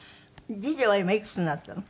次女は今いくつになったの？